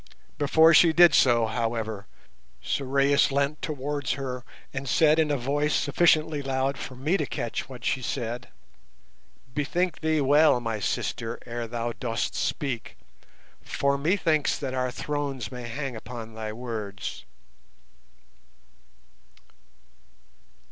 Before she did so, however, Sorais leant towards her and said in a voice sufficiently loud for me to catch what she said, "Bethink thee well, my sister, ere thou dost speak, for methinks that our thrones may hang upon thy words."